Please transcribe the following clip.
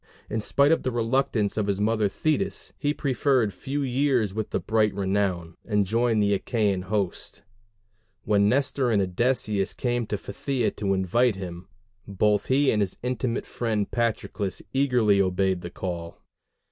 In spite of the reluctance of his mother Thetis he preferred few years with bright renown, and joined the Achæan host. When Nestor and Odysseus came to Phthia to invite him, both he and his intimate friend Patroclus eagerly obeyed the call.